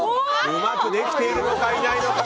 うまくできているのかいないのか。